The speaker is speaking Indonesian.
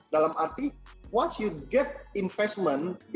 dalam arti setelah anda mendapatkan investasi